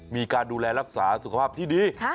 มีการดูแลรักษาสุขภาพที่ดี